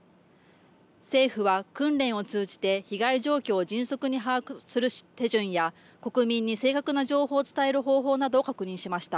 政府は訓練を通じて被害状況を迅速に把握する手順や国民に正確な情報を伝える方法などを確認しました。